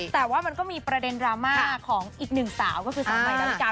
แต่ว่ามันก็มีประเด็นดราม่าของอีกหนึ่งสาวก็คือสาวใหม่ดาวิกา